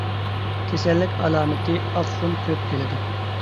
كېسەللىك ئالامىتى ئاق خۇن كۆپ كېلىدۇ.